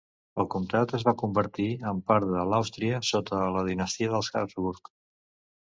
El comtat es va convertir en part de l'Àustria sota la dinastia dels Habsburg.